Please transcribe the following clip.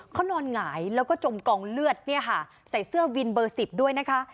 เขานอนหงายแล้วก็จมกองเลือดเนี่ยค่ะใส่เสื้อวินเบอร์๑๐ด้วยนะคะ